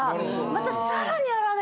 また。